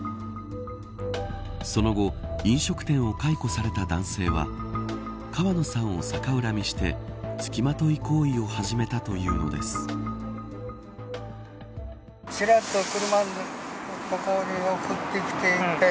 その後飲食店を解雇された男性は川野さんを逆恨みしてつきまとい行為を始めたというのです。